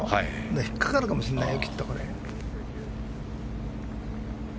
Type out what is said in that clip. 引っかかるかもしれないよ。